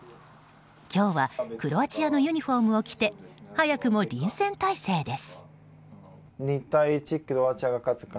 今日はクロアチアのユニホームを着て早くも臨戦態勢です。